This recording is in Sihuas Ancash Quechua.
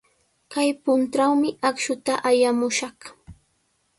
Kay puntrawmi akshuta allamushaq.